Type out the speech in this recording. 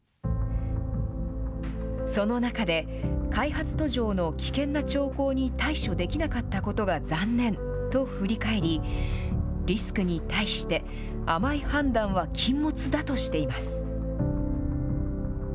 その中で、開発途上の危険な兆候に対処できなかったことが残念と振り返り、リスクに対して、甘い判断は禁物だとしています。